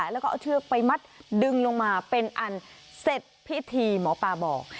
แล้วก็เอาเชือกไปมัดดึงลงมาเป็นอันเสร็จพิธีหมอปลาบอก